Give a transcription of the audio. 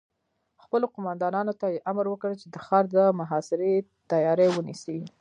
خپلو قوماندانانو ته يې امر وکړ چې د ښار د محاصرې تياری ونيسي.